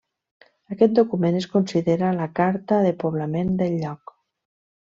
Aquest document es considera la carta de poblament del lloc.